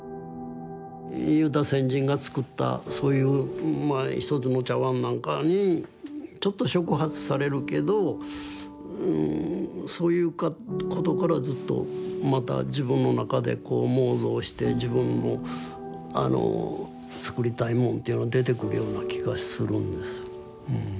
先人が作ったそういうまあ一つの茶碗なんかにちょっと触発されるけどそういうことからずっとまた自分の中でこう妄想して自分の作りたいもんっていうのは出てくるような気がするんです。